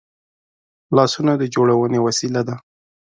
لاسونه د جوړونې وسیله ده